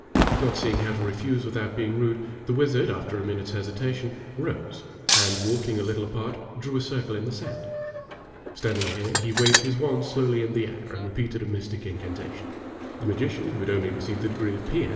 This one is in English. Not seeing how to refuse without being rude, the wizard, after a minute's hesitation, rose and, walking a little apart, drew a circle in the sand. Standing here, he waved his wand slowly in the air and repeated a mystic incantation. The magician, who had only received the degree of P. M.